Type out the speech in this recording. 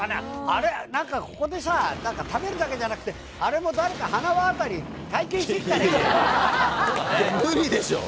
あれ、なんかここでさ、なんか食べるだけじゃなくて、あれも誰かはなわあたり、体験してきたらいいよ。